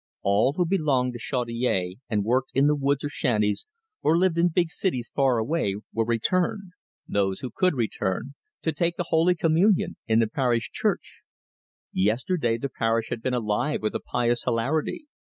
All who belonged to Chaudiere and worked in the woods or shanties, or lived in big cities far away, were returned those who could return to take the holy communion in the parish church. Yesterday the parish had been alive with a pious hilarity.